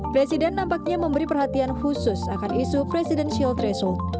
presiden nampaknya memberi perhatian khusus akan isu presidensial threshold